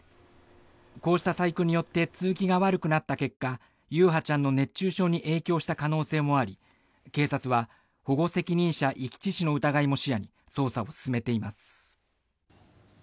こうした細工によって通気が悪くなった結果優陽ちゃんの熱中症に影響した可能性もあり警察は、保護責任者遺棄致死の疑いも視野に捜査を進めています。